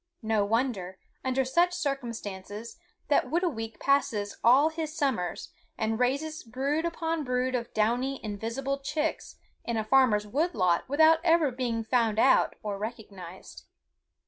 No wonder, under such circumstances, that Whitooweek passes all his summers and raises brood upon brood of downy invisible chicks in a farmer's wood lot without ever being found out or recognized.